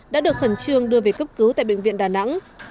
đã được khẩn trương đưa về cấp cứu tại bệnh viện đà nẵng